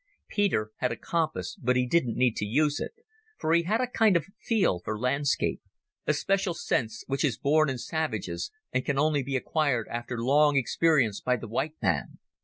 Peter had a compass, but he didn't need to use it, for he had a kind of "feel" for landscape, a special sense which is born in savages and can only be acquired after long experience by the white man.